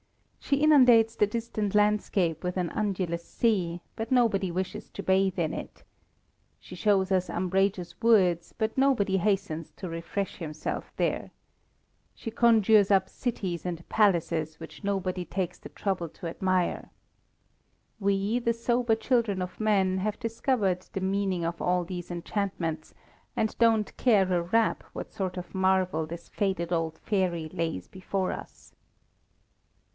She inundates the distant landscape with an undulous sea, but nobody wishes to bathe in it. She shows us umbrageous woods, but nobody hastens to refresh himself there. She conjures up cities and palaces which nobody takes the trouble to admire. We, the sober children of men, have discovered the meaning of all these enchantments, and don't care a rap what sort of marvel this faded old fairy lays before us.